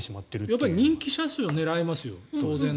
やっぱり人気車種を狙いますよ。